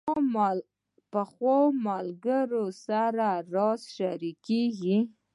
پخو ملګرو سره راز شریکېږي